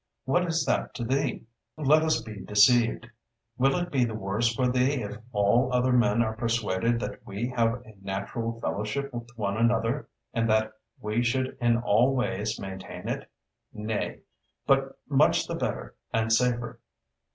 _ What is that to thee? let us be deceived! Will it be the worse for thee if all other men are persuaded that we have a natural fellowship with one another, and that we should in all ways maintain it? Nay—but much the better and safer.